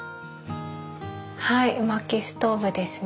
はい薪ストーブですね。